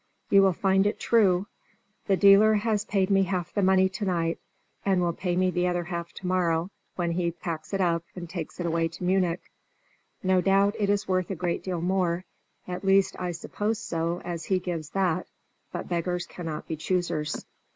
"You will find it true. The dealer has paid me half the money to night, and will pay me the other half to morrow when he packs it up and takes it away to Munich. No doubt it is worth a great deal more at least I suppose so, as he gives that but beggars cannot be choosers.